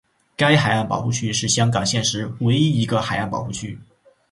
该海岸保护区是香港现时唯一一个海岸保护区。